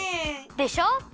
でしょ！